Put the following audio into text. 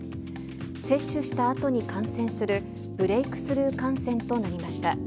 接種したあとに感染するブレークスルー感染となりました。